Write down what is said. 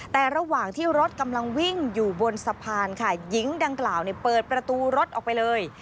แต่ระหว่างที่รถกำลังวิ่งอยู่บนสะพานค่ะหญิงดังกล่าวเปิดประตูรถออกไปเลย